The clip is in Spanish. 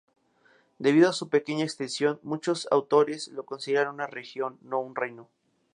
Debido a su pequeña extensión, muchos autores lo consideran una región, no un reino.